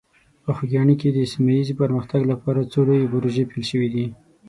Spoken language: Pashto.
په خوږیاڼي کې د سیمه ایز پرمختګ لپاره څو لویې پروژې پیل شوي دي.